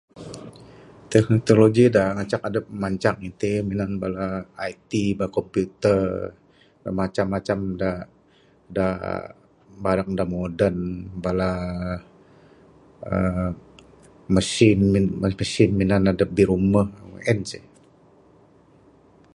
Teknologi da ngancak adep mancang itin minan bala IT bala computer macam macam da da barang da moden bala uhh machine minan adep birumeh meng en ceh.